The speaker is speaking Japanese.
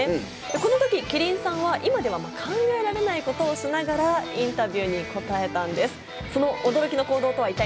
この時希林さんは今では考えられないことをしながらインタビューに答えたんです。